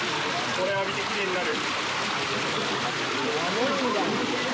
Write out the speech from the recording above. これ浴びて、きれいになる。